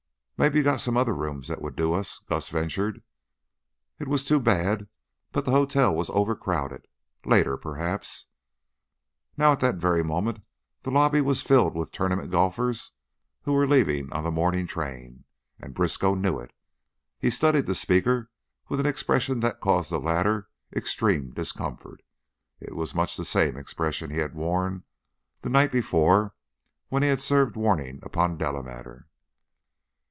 "Mebbe you got some other rooms that would do us," Gus ventured. It was too bad, but the hotel was overcrowded. Later, perhaps Now at that very moment the lobby was filled with tournament golfers who were leaving on the morning train, and Briskow knew it. He studied the speaker with an expression that caused the latter extreme discomfort; it was much the same expression he had worn the night before when he had served warning upon Delamater.